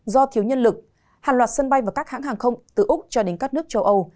do thiếu nhân lực hàng loạt sân bay và các hãng hàng không từ úc cho đến các nước châu âu